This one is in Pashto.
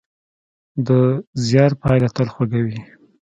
د زیار پایله تل خوږه وي.